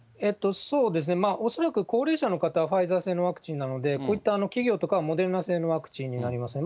恐らく高齢者の方はファイザー製のワクチンなので、こういった企業とかはモデルナ製のワクチンになりますね。